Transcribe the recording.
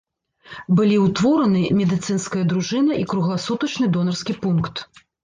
Былі ўтвораны медыцынская дружына і кругласутачны донарскі пункт.